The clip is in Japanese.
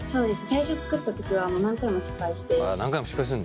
最初作った時は何回も失敗して。